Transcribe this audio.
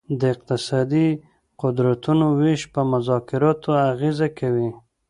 د اقتصادي قدرتونو ویش په مذاکراتو اغیزه کوي